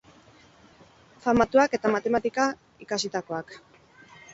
Famatuak eta matematika ikasitakoak.